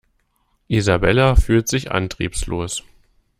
Isabella fühlt sich antriebslos.